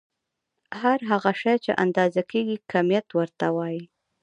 هر هغه شی چې اندازه کيږي کميت ورته وايې.